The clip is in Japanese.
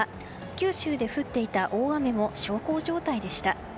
九州で降っていた大雨も小康状態でした。